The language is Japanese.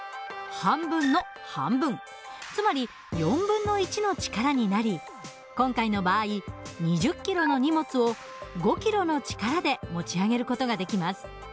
つまり４分の１の力になり今回の場合２０キロの荷物を５キロの力で持ち上げる事ができます。